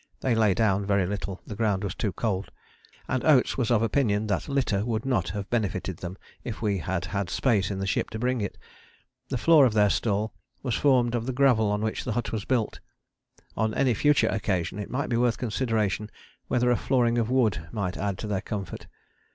They lay down very little, the ground was too cold, and Oates was of opinion that litter would not have benefited them if we had had space in the ship to bring it. The floor of their stall was formed of the gravel on which the hut was built. On any future occasion it might be worth consideration whether a flooring of wood might add to their comfort.